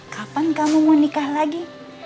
kapan kamu mau nikah lagi